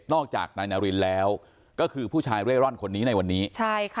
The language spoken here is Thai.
จากนายนารินแล้วก็คือผู้ชายเร่ร่อนคนนี้ในวันนี้ใช่ค่ะ